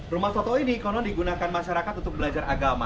rumah soto ini konon digunakan masyarakat untuk belajar agama